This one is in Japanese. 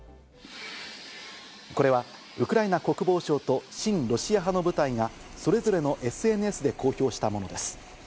これはウクライナ国防省と親ロシア派の部隊がそれぞれのＳＮＳで公表したものです。